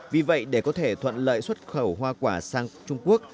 vì vậy để có thể thuận lợi xuất khẩu hoa quả sang trung quốc